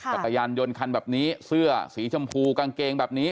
จักรยานยนต์คันแบบนี้เสื้อสีชมพูกางเกงแบบนี้